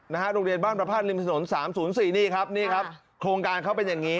นะฮะโรงเรียนบ้านประภาษฐ์ลิมสน๓๐๔นี่ครับโครงการเขาเป็นอย่างนี้